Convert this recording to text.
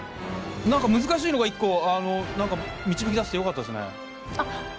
何か難しいのが１個導き出せてよかったっすね。